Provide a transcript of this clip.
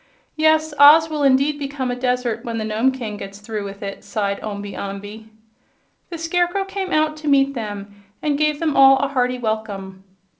"Yes, Oz will indeed become a desert when the Nome King gets through with it," sighed Omby Amby. The Scarecrow came out to meet them and gave them all a hearty welcome.